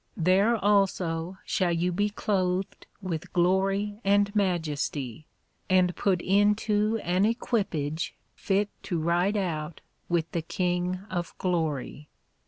There also shall you be cloathed with Glory and Majesty, and put into an equipage fit to ride out with the King of Glory.